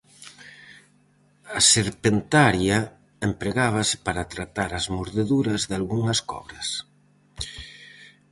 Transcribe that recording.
A serpentaria empregábase para tratar as mordeduras dalgunhas cobras.